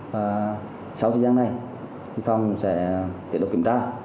và sau thời gian này phòng sẽ tiện độc kiểm tra